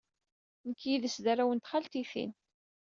Nekk yid-s d arraw n txaltitin.